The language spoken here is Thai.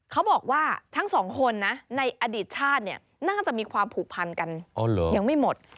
เขาบอกว่าทั้งสองคนนะในอดีตชาติเนี่ยน่าจะมีความผูกพันกันยังไม่หมด